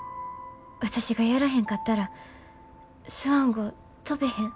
私がやらへんかったらスワン号飛ベへん。